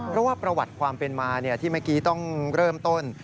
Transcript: เพราะว่าประวัติความเป็นมาที่เมื่อกี้ต้องเริ่มต้น